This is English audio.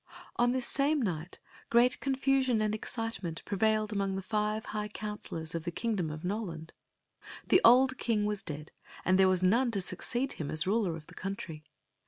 On this same night great confusion and excitement prevailed among the five high counselors of the king^ dom of N eland. The old king was dead and there was none to succeed him as ruler of the country.